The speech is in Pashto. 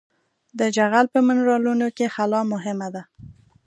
د جغل په منرالونو کې خلا مهمه ده